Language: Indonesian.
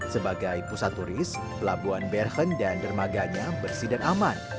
sebagai pusat turis pelabuhan bergen dan dermaganya bersih dan aman